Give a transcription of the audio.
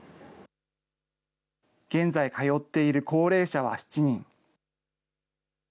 現在通っている高齢者は７人。